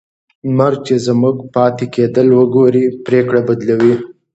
مرګ چې زموږ پاتې کېدل وګوري، پرېکړه بدلوي.